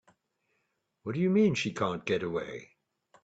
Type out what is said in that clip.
What do you mean she can't get away?